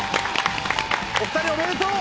お二人おめでとう！